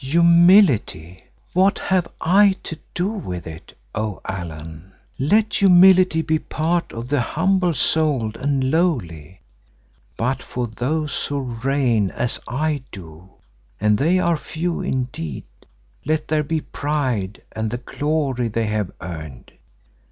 "Humility! What have I to do with it, O Allan? Let humility be the part of the humble souled and lowly, but for those who reign as I do, and they are few indeed, let there be pride and the glory they have earned.